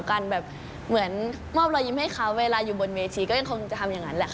การแบบเหมือนมอบรอยยิ้มให้เขาเวลาอยู่บนเวทีก็ยังคงจะทำอย่างนั้นแหละค่ะ